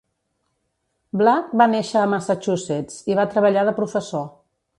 Black va néixer a Massachusetts i va treballar de professor.